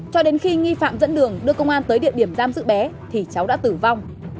cho đến khi nghi phạm dẫn đường đưa công an tới địa điểm giam giữ bé thì cháu đã tử vong